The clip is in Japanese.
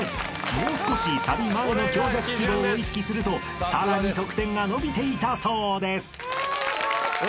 ［もう少しサビ前の強弱記号を意識するとさらに得点が伸びていたそうです］